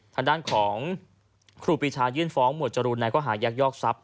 ทางด้านของครูปีชายื่นฟ้องหมวดจรูนในข้อหายักยอกทรัพย